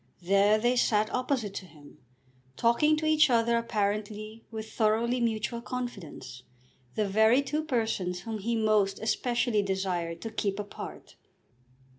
There they sat opposite to him, talking to each other apparently with thoroughly mutual confidence, the very two persons whom he most especially desired to keep apart.